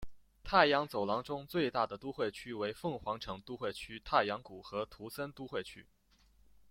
太阳走廊中最大的都会区为凤凰城都会区太阳谷和图森都会区。